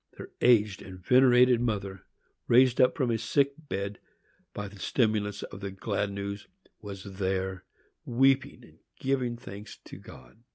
Their aged and venerated mother, raised up from a sick bed by the stimulus of the glad news, was there, weeping and giving thanks to God.